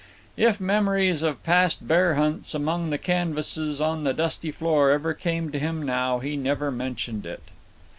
If memories of past bear hunts among the canvases on the dusty floor ever came to him now, he never mentioned it.